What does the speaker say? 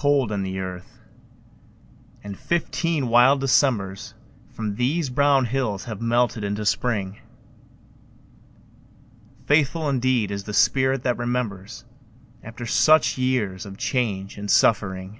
Cold in the earth, and fifteen wild Decembers From these brown hills have melted into Spring. Faithful indeed is the spirit that remembers After such years of change and suffering!